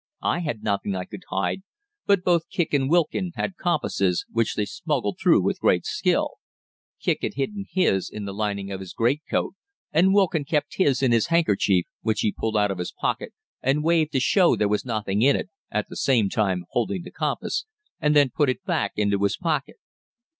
I had nothing I could hide, but both Kicq and Wilkin had compasses, which they smuggled through with great skill. Kicq had his hidden in the lining of his greatcoat, and Wilkin kept his in his handkerchief, which he pulled out of his pocket and waved to show there was nothing in it, at the same time holding the compass, and then put it back into his pocket.